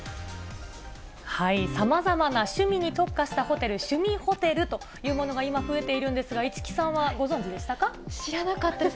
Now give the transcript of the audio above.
さまざまな趣味に特化したホテル、趣味ホテルというものが今、増えているんですが、知らなかったです。